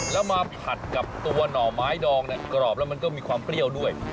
แล้วมาผัดกับตัวหน่อไม้ดองกรอบแล้วมันก็มีความเปรี้ยวด้วย